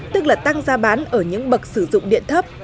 tức là tăng giá bán ở những bậc sử dụng điện thấp